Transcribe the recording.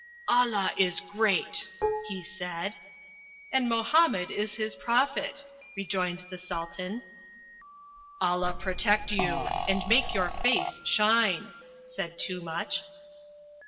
"Allah is great!" he said. "And Mohammed is his prophet," rejoined the Sultan. "Allah protect you! And make your face shine," said Toomuch.